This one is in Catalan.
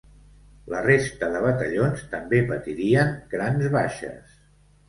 La resta de batallons també patirien grans baixes.